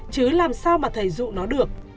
chứ làm sao mà thầy dụ nó được